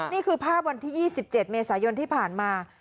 นี่คือภาพวันที่๒๗เมษายนที่ผ่านมา